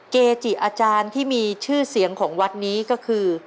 เกจิอาจารย์ที่มีชื่อเสียงของวัดนี้ก็คือ